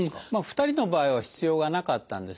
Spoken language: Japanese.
２人の場合は必要がなかったんですね。